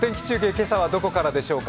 今朝はどこからでしょうか。